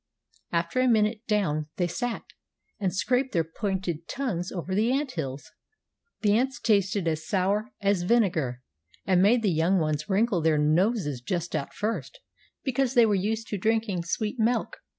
After a minute down they sat, and scraped their pointed tongues over the ant hills. The ants tasted as sour as vinegar, and made the young ones wrinkle their noses just at first, because they were used to drinking sweet milk.